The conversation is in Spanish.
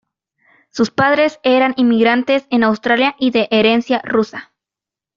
Sus padres eran inmigrantes en Australia y de herencia rusa.